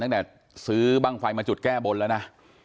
ตั้งแต่ซื้อบ้างไฟมาจุดแก้บนแล้วนะ